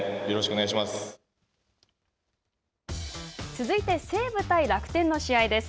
続いて西武対楽天の試合です。